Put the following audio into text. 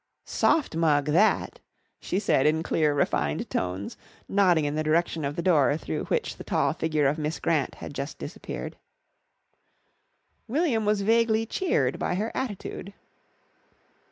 "Soft mug, that," she said in clear refined tones, nodding in the direction of the door through which the tall figure of Miss Grant had just disappeared. William was vaguely cheered by her attitude.